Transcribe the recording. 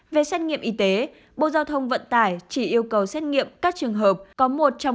về xét nghiệm y tế bộ giao thông vận tải chỉ yêu cầu xét nghiệm các trường hợp có một trong